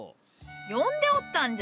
呼んでおったんじゃ。